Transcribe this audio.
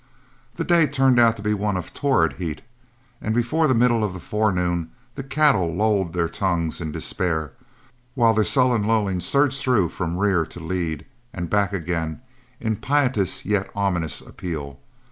The day turned out to be one of torrid heat, and before the middle of the forenoon, the cattle lolled their tongues in despair, while their sullen lowing surged through from rear to lead and back again in piteous yet ominous appeal.